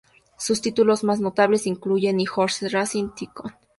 Sus títulos más notables incluyen y Horse Racing Tycoon.